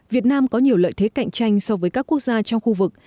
việt nam có nhiều lợi thế cạnh tranh so với các quốc gia trong khu vực